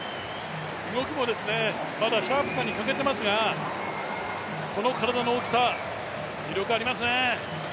動きもまだシャープさに欠けていますが、この体の大きさ、魅力ありますね。